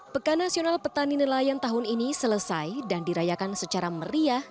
pekan nasional petani nelayan tahun ini selesai dan dirayakan secara meriah